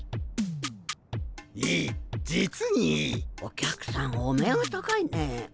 お客さんお目が高いね。